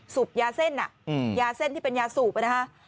สูบยาเส้นยาเส้นที่เป็นยาสูบนะครับ